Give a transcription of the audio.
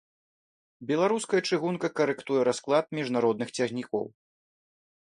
Беларуская чыгунка карэктуе расклад міжнародных цягнікоў.